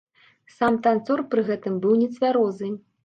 Сам танцор пры гэтым быў нецвярозы.